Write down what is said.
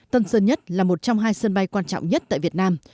tân sơn nhất là một trong hai sân bay quan trọng nhất tại việt nam